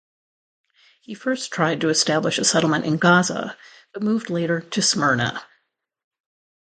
He first tried to establish a settlement in Gaza, but moved later to Smyrna.